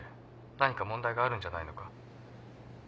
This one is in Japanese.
何か問題があるんじゃないのか？